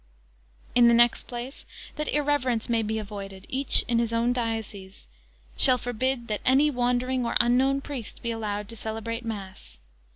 In the next place, that irreverence may be avoided, each, in his own diocese, shall forbid that any wandering or unknown priest be allowed to celebrate mass.